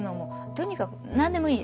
とにかく何でもいいです。